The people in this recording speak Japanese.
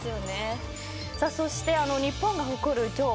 そして日本が誇る女王